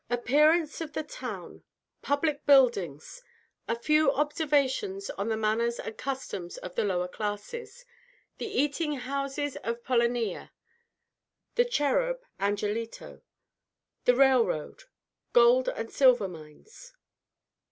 APPEARANCE OF THE TOWN PUBLIC BUILDINGS A FEW OBSERVATIONS ON THE MANNERS AND CUSTOMS OF THE LOWER CLASSES THE EATING HOUSES OF POLANEA THE CHERUB (ANGELITO) THE RAILROAD GOLD AND SILVER MINES.